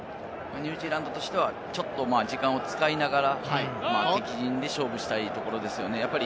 ニュージーランドとしては、ちょっと時間を使いながら敵陣で勝負したいところですよね。